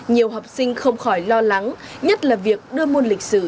nhiều học sinh không khỏi lo lắng nhất là việc đưa môn đề thi